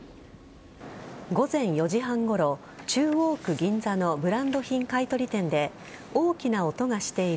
午前４時半ごろ中央区銀座のブランド品買取店で大きな音がしている。